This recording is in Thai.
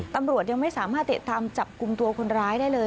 ตำรวจยังไม่สามารถติดตามจับกลุ่มตัวคนร้ายได้เลย